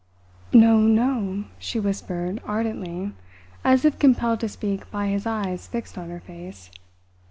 "No, no!" she whispered ardently, as if compelled to speak by his eyes fixed on her face.